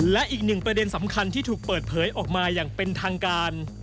และอีกหนึ่งประเด็นสำคัญที่ถูกเปิดเผยออกมาอย่างเป็นทางการ